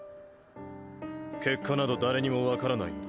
結果など誰にも分からないのだ。